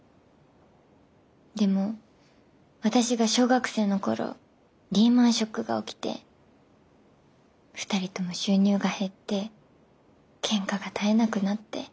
でも私が小学生の頃リーマンショックが起きて二人とも収入が減ってけんかが絶えなくなって。